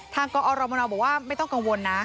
กอรมนบอกว่าไม่ต้องกังวลนะ